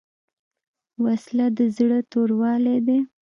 وسله د زړه توروالی دی